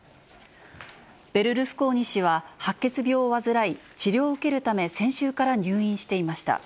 ベルルスコーニ氏は、白血病を患い、治療を受けるため、先週から入院していました。